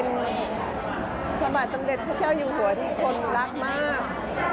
ท่านเป็นพระบาทตำเด็จพระเจ้าอยู่หัวที่คนรักมาก